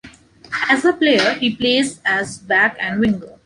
As a player, he plays as back and winger.